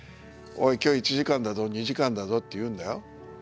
「おい今日は１時間だぞ２時間だぞ」って言うんだよ。